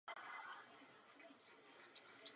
Je rovněž známo řadou lyžařských středisek.